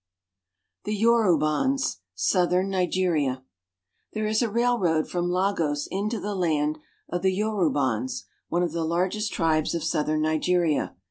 THE YORUBANS — SOUTHERN NIGERIA THERE is a railroad from Lagos into the land of the Yorubans (yo'roo bans), one of the largest tribes of southern Nigeria.